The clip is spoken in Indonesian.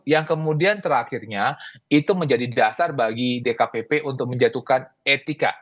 yang kemudian terakhirnya itu menjadi dasar bagi dkpp untuk menjatuhkan etika